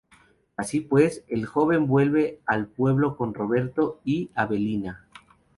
Así pues, el joven vuelve al pueblo con Roberto y Avelina.